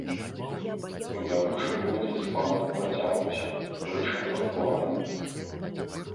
У бягучым годзе спад працягнуўся, прычым паскорана.